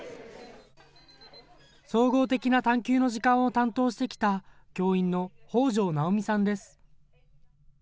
総合的な探究の時間を担当してきた教員の北條奈緒美さんです。